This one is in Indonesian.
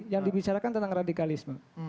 yang dibicarakan tentang radikalisme